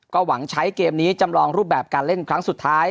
ก็หวังใช้เกมนี้จำลองรูปแบบการเล่นครั้งสุดท้าย